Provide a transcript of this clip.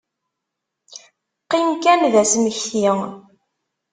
Qqim kan d asmekti.